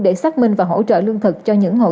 để xác minh và hỗ trợ lương thực cho những hộ